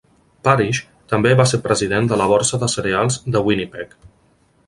Parrish també va ser president de la Borsa de Cereals de Winnipeg.